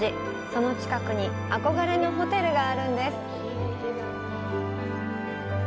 その近くに憧れのホテルがあるんです。